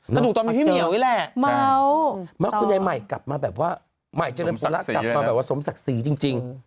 สนุกตอนมีพี่เหมียไว้แหละคุณใจใหม่กลับมาแบบว่าสมศักดิ์สีจริง